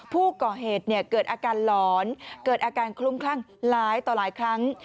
ผู้ก่อเหตุเกิดอาการหลอนเกิดอาการคลุ้มคลั่งหลายต่อหลายครั้ง